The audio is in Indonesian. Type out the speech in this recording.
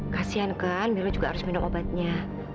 kasian kan biru juga harus minum obatnya